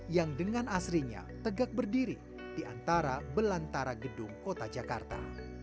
yang dengan asrinya tegak berdiri di antara belantara gedung kota jakarta